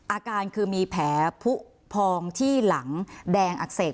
อาการคือมีแผลผู้พองที่หลังแดงอักเสบ